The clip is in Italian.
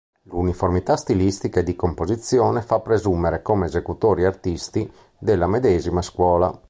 L’uniformità stilistica e di composizione fa presumere come esecutori artisti della medesima scuola.